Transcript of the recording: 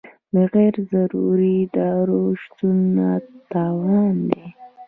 د غیر ضروري ادارو شتون تاوان دی.